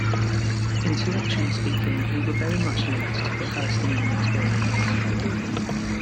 Intellectually speaking, we were very much linked to the Palestinian experience.